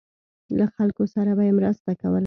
له خلکو سره به یې مرسته کوله.